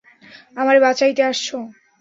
আমারে বাঁচাইতে আসছো?